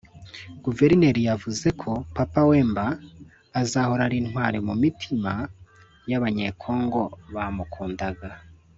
Guverineri yavuze ko Papa Wemba azahora ari intwari mu mitima y’abanyekongo bamukundaga